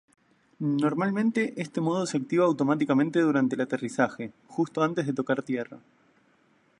Normalmente este modo se activa automáticamente durante el aterrizaje, justo antes de tocar tierra.